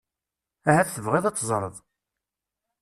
Ahat tebɣiḍ ad teẓreḍ.